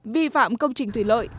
vi phạm công trình thủy lợi